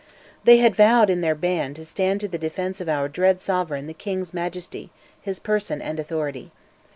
They had vowed, in their band, to "stand to the defence of our dread Sovereign the King's Majesty, his person and authority."